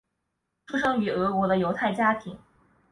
出生于俄国的犹太家庭。